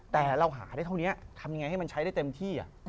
แต่เราหาได้เท่านี้ทำยังไงให้มันใช้ได้เต็มที่